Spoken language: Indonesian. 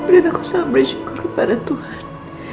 dan aku sangat bersyukur kepada tuhan